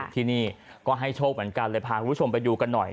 ที่นี่ก็ให้โชคเหมือนกันเลยพาคุณผู้ชมไปดูกันหน่อย